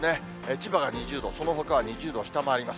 千葉が２０度、そのほかは２０度を下回ります。